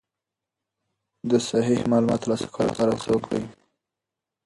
د صحیح معلوماتو ترلاسه کولو لپاره هڅه وکړئ.